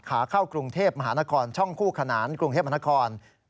ขาเข้ากรุงเทพมหานครช่องคู่ขนานกรุงเทพมนคร